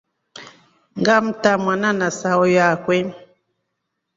Ngamta mwana na sauyo akwe.